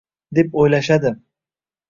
deb o’ylashadi